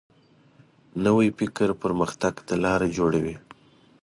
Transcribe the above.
نوی فکر پرمختګ ته لاره جوړوي